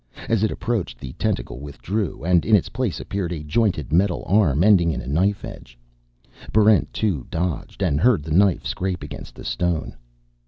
As it approached, the tentacle withdrew, and in its place appeared a jointed metal arm ending in a knife edge. Barrent 2 dodged, and heard the knife scrape against the stone.